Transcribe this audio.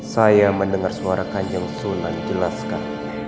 saya mendengar suara kanjeng sunan dijelaskan